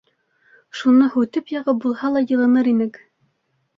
Шуны һүтеп яғып булһа ла йылыныр инек.